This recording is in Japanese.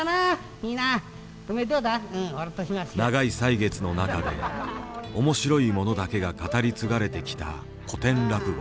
長い歳月の中で面白いものだけが語り継がれてきた古典落語。